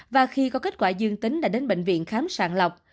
và khi có kết quả dương tính đã đến bệnh viện khám sàng lọc